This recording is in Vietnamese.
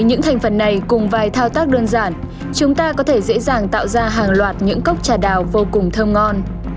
những thành phần này cùng vài thao tác đơn giản chúng ta có thể dễ dàng tạo ra hàng loạt những cốc trà đào vô cùng thơm ngon